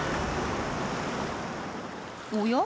おや？